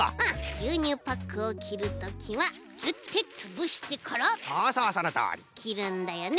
ぎゅうにゅうパックをきるときはギュッてつぶしてからきるんだよね。